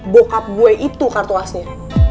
bokap gue itu kartu khasnya